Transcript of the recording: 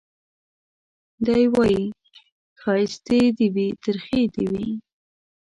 دی وايي ښايستې دي وي ترخې دي وي